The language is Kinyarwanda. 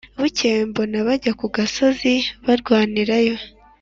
bukeye bombi bajya ku gasozi barwanirayo